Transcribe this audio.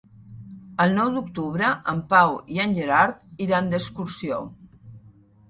El nou d'octubre en Pau i en Gerard iran d'excursió.